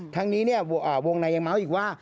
ทั้งนี้เนี้ยอ่าวงในยังเม้าท์อีกว่า